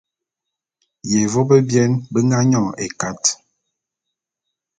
Yévô bebien be nga nyon ékat.